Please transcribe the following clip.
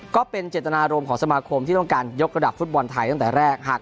ก็เป็นเจตนารมณ์ของสมาคมที่ต้องการยกระดับฟุตบอลไทยตั้งแต่แรกหาก